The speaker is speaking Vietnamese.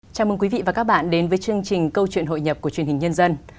chào mừng quý vị và các bạn đến với chương trình câu chuyện hội nhập của truyền hình nhân dân